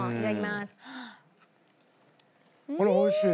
これおいしい。